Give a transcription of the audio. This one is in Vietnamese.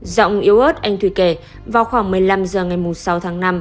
giọng yếu ớt anh thủy kể vào khoảng một mươi năm h ngày sáu tháng năm